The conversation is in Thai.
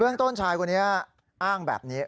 เรื่องต้นชายคนนี้อ้างแบบนี้